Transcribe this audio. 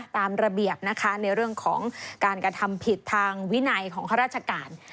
ตามระเบียบนะคะในเรื่องของการกระทำผิดทางวินัยของข้าราชการ